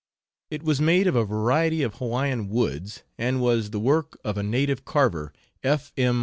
It was made of a variety of Hawaiian woods, and was the work of a native carver, F. M.